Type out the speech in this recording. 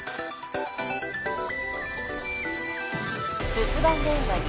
留守番電話に。